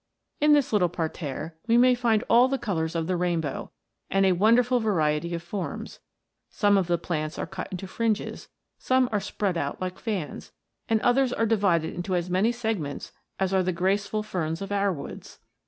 In this little parterre we may find all the colours of the rainbow, and a wonderful variety of forms; * Green Laver or Ulva. t Delesseria 12 116 THE MERMAID'S HOME. some of the plants are cut into fringes, some are spread out like fans ; and others are divided into as many segments as are the graceful ferns of our woods.